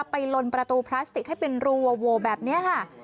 ลนประตูพลาสติกให้เป็นรูโวแบบนี้ค่ะ